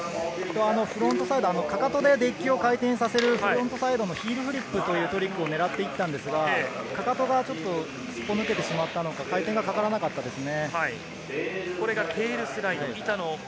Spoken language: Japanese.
フロントサイド、かかとでデッキを回転させるヒールフリップというのを狙っていったんですが、かかとがちょっとすっぽ抜けてしまったのか、回転がかからなかったですね。